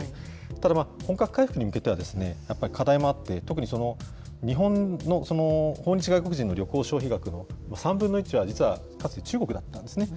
ただ、本格回復に向けては、やっぱり課題もあって、特に日本の訪日外国人の旅行消費額の３分の１は、実はかつて中国だったんですね。